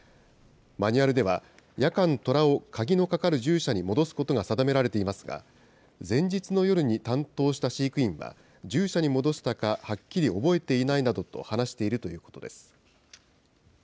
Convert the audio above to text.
マニュアルでは、夜間、トラを鍵のかかる獣舎に戻すことが定められていますが、前日の夜に担当した飼育員は、獣舎に戻したかはっきり覚えていないなどと話しているということです。